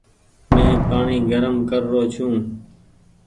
مين پآڻيٚ گرم ڪر رو ڇون ۔